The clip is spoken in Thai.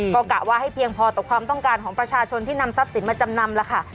ก็กะว่าให้เพียงพอต่อความต้องการของประชาชนที่นำทรัพย์สินมาจำนำล่ะค่ะ